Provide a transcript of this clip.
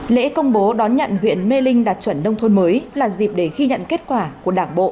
lễ công bố đón nhận huyện mê linh đạt chuẩn nông thôn mới là dịp để ghi nhận kết quả của đảng bộ